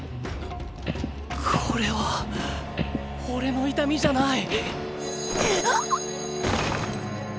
これはおれの痛みじゃない。